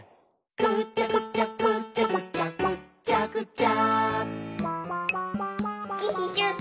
「ぐちゃぐちゃぐちゃぐちゃぐっちゃぐちゃ」